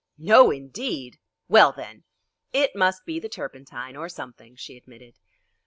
"No, indeed!" "Well, then!" "It must be the turpentine, or something," she admitted.